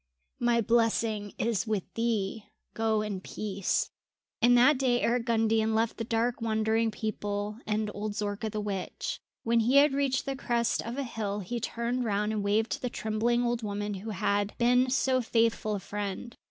My blessing is with thee. Go in peace." And that day Eric Gundian left the dark wandering people and old Zorka the witch. When he had reached the crest of a hill he turned round and waved to the trembling old woman who had been so faithful a friend.